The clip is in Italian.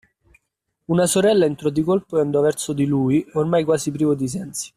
Una sorella entrò di colpo e andò verso di lui ormai quasi privo di sensi.